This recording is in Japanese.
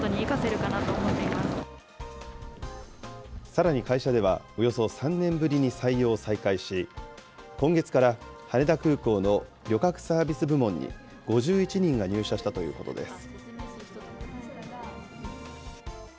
さらに会社では、およそ３年ぶりに採用を再開し、今月から羽田空港の旅客サービス部門に５１人が入社したということです。